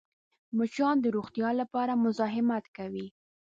مچان د روغتیا لپاره مزاحمت کوي